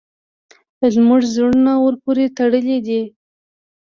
زموږ زړونه ورپورې تړلي دي.